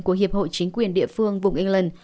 của hiệp hội chính quyền địa phương vùng england